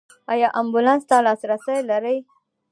ایا امبولانس ته لاسرسی لرئ؟